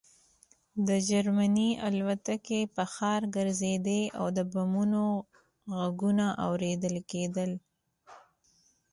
د جرمني الوتکې په ښار ګرځېدې او د بمونو غږونه اورېدل کېدل